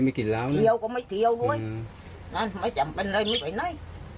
แม่บอกว่าลูกชายไม่ได้ทำ